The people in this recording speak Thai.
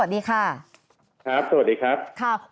วันนี้พอบอกความคืบหน้าอะไรของประกันสังคมที่ประชุมวันนี้ได้บ้างคะ